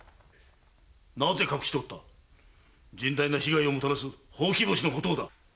なぜ隠しておった⁉甚大な被害をもたらすほうき星のことをだ！